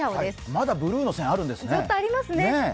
まだブルーの線あるんですね。